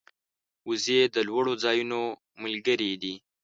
وزې د لوړو ځایونو ملګرې دي